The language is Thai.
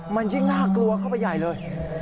มันยิ่งน่ากลัวเข้าไปใหญ่เลย